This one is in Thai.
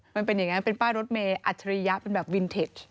มันเป็นอย่างนั้นเป็นป้ายรถเมย์อัจฉริยะเป็นแบบวินเทจ